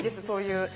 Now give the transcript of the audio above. そういう。